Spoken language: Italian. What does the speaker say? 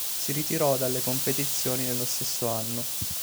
Si ritirò dalle competizioni nello stesso anno.